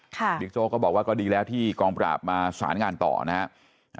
บิ๊กโจ๊กก็บอกว่าก็ดีแล้วที่กองปราบมาสารงานต่อนะครับ